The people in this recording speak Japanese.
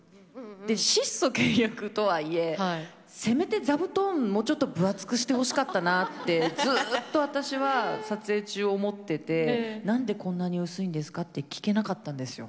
質素倹約とはいえせめて座布団もうちょっと分厚くしてほしかったなってずっと私は撮影中思ってて何でこんなに薄いんですかって聞けなかったんですよ。